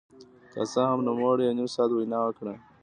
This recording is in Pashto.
که څه هم نوموړي یو نیم ساعت وینا وکړه